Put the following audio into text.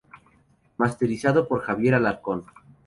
Masterizado por Xavier Alarcón.